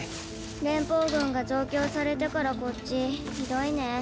連邦軍が増強されてからこっちひどいね。